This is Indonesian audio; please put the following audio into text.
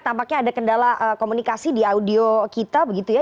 tampaknya ada kendala komunikasi di audio kita begitu ya